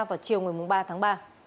vào chiều một mươi ba tháng ba